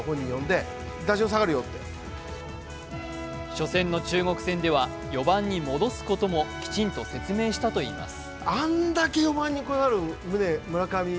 初戦の中国戦では４番に戻すこともきちんと説明したといいます。